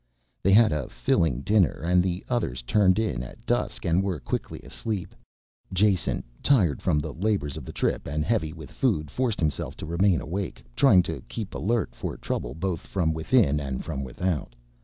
They had a filling dinner and the others turned in at dusk and were quickly asleep. Jason, tired from the labors of the trip and heavy with food, forced himself to remain awake, trying to keep alert for trouble both from within and from without.